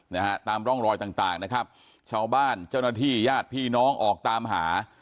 นะฮะตามร่องรอยต่างต่างนะครับชาวบ้านเจ้าหน้าที่ญาติพี่น้องออกตามหา